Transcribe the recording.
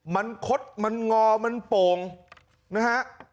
มันคดมันงอมันโป่งนะฮะ